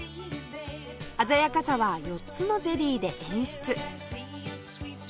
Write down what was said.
鮮やかさは４つのゼリーで演出